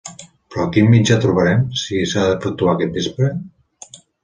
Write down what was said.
Però, quin mitjà trobarem, si s'ha d'efectuar aquest vespre?